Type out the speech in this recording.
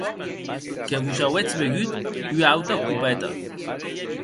Que vos auetz begut ua auta copeta.